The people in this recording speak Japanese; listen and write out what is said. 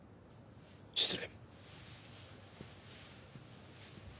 失礼。